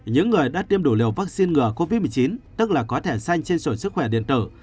những người đã tiêm đủ liều vaccine ngừa covid một mươi chín tức là có thẻ xanh trên sổi sức khỏe điện tử